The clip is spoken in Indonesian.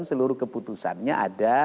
seluruh keputusannya ada